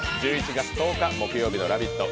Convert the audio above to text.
１１月１０日水曜日の「ラヴィット！」